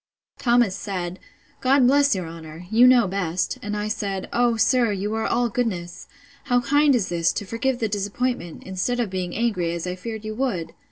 Thomas said, God bless your honour! You know best. And I said, O, sir, you are all goodness!—How kind is this, to forgive the disappointment, instead of being angry, as I feared you would!